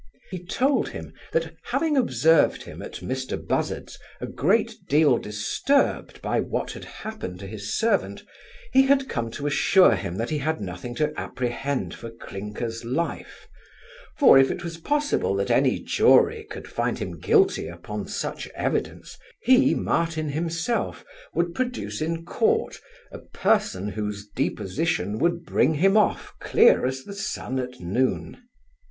He told him, that having observed him, at Mr Buzzard's, a good deal disturbed by what had happened to his servant, he had come to assure him he had nothing to apprehend for Clinker's life; for, if it was possible that any jury could find him guilty upon such evidence, he, Martin himself, would produce in court a person, whose deposition would bring him off clear as the sun at noon.